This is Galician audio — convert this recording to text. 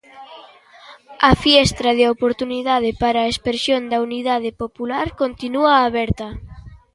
A fiestra de oportunidade para a expresión da unidade popular continúa aberta.